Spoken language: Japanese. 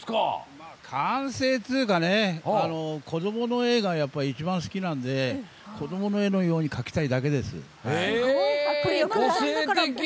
完成っつうかね子どもの絵が一番好きなんで、子どもの絵のように描きたいだけです。